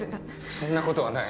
そんなことはない